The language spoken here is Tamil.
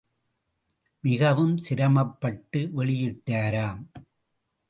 மிகவும் சிரமப்பட்டு வெளியிட்டாராம்.